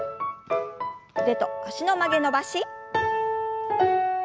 腕と脚の曲げ伸ばし。